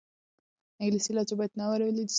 انګلیسي لهجه باید نه واورېدل سي.